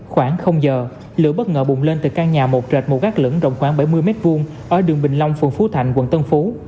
khoảng giờ lửa bất ngờ bùng lên từ căn nhà một trệt một gác lửng rộng khoảng bảy mươi m hai ở đường bình long phường phú thạnh quận tân phú